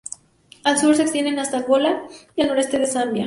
Al sur se extienden hasta Angola y el noroeste de Zambia.